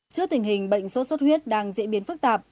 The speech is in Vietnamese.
trước tình hình bệnh sốt xuất huyết đang diễn biến phức tạp